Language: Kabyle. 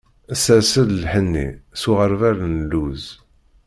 Sers-d lḥenni, s uɣerbal n lluz.